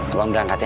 abang berangkat ya